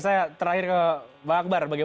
saya terakhir ke bang akbar bagaimana